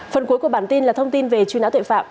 phần cuối của bản tin là thông tin về truy nã tội phạm